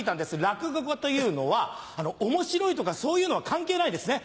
落語家というのは面白いとかそういうのは関係ないですね。